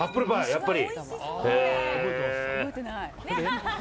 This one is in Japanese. やっぱり。